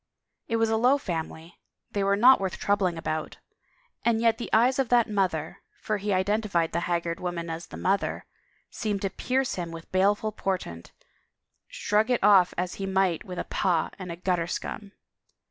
It was a low family — they were not worth troubling about, and yet the eyes of that mother, for he identified the haggard woman as the mother, seemed to pierce him with baleful portent, shrug it off as he might with a " Pah ! Gutterscum